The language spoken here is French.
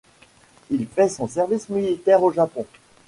Il fait son service militaire au Japon.